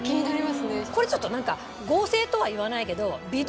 これちょっと何か合成とはいわないけど。